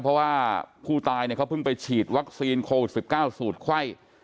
เพราะว่าผู้ตายเขาเพิ่งไปฉีดวัคซีนโควิด๑๙สูตรไข้